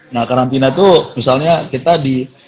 nah karantina itu misalnya kita di